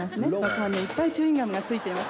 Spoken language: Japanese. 「頭にいっぱいチューイングガムがついてます。